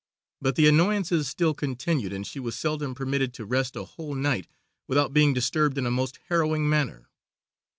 But the annoyances still continued, and she was seldom permitted to rest a whole night without being disturbed in a most harrowing manner.